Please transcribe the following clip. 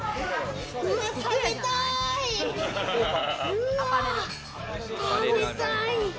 うわ食べたい！